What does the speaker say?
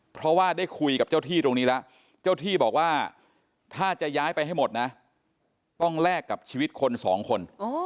เพราะว่าได้คุยกับเจ้าที่ตรงนี้แล้วเจ้าที่บอกว่าถ้าจะย้ายไปให้หมดนะต้องแลกกับชีวิตคนสองคน